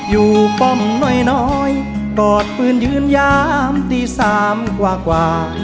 ป้อมน้อยกอดปืนยืนยามตีสามกว่า